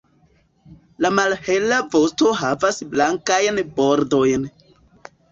La malhela vosto havas blankajn bordojn.